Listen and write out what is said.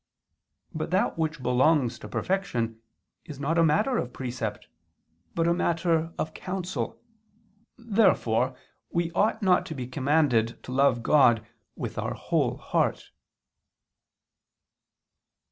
But that which belongs to perfection is not a matter of precept, but a matter of counsel. Therefore we ought not to be commanded to love God with our whole heart.